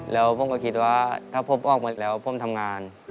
แล้วผมก็คิดว่าถ้าผมออกมาแล้วผมทำงาน